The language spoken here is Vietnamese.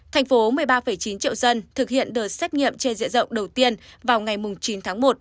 thành phố một mươi ba chín triệu dân thực hiện đợt xét nghiệm trên diện rộng đầu tiên vào ngày chín tháng một